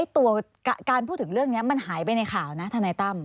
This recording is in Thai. ตัวการพูดถึงเรื่องนี้มันหายไปในข่าวนะทนายตั้ม